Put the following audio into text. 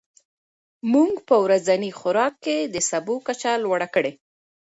موږ په ورځني خوراک کې د سبو کچه لوړه کړې.